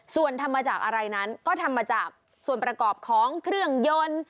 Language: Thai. ส่วนทำมาจากอะไรนั้นก็ทำมาจากส่วนประกอบของเครื่องยนต์